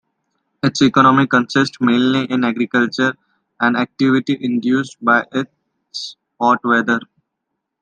Its economy consists mainly in agriculture, an activity induced by its hot weather.